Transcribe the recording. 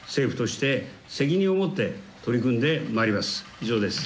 以上です。